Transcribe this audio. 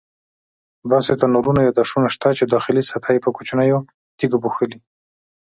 داسې تنورونه یا داشونه شته چې داخلي سطحه یې په کوچنیو تیږو پوښلې.